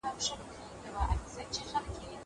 زماپه سینه کي خو زړګی وو اوس هغه نه ښکاري